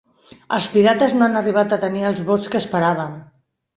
Els Pirates no han arribat a tenir els vots que esperaven